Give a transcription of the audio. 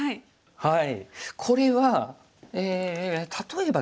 はい。